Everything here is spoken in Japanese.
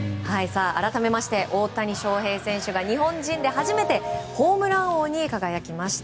改めまして、大谷翔平選手が日本人で初めてホームラン王に輝きました。